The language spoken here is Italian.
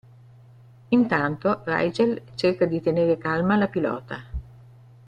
Intanto, Rygel cerca di tenere calma la pilota.